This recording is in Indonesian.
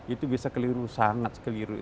itu bisa keliru sangat